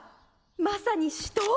まさに死闘！